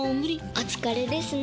お疲れですね。